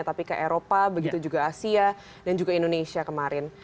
tapi ke eropa begitu juga asia dan juga indonesia kemarin